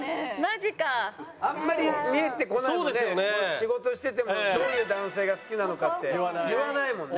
仕事しててもどういう男性が好きなのかって言わないもんね。